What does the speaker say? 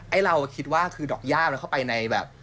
เราคิดว่าคือดอกย่ามันเข้าไปในแบบ